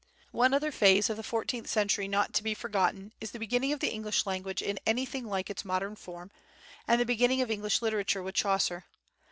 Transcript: One other phase of the fourteenth century not to be forgotten is the beginning of the English language in anything like its modern form, and the beginning of English literature with Chaucer.